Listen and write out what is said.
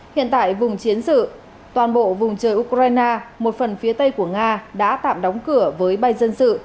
hiện tại vùng chiến sự toàn bộ vùng trời ukraine một phần phía tây của nga đã tạm đóng cửa với bay dân sự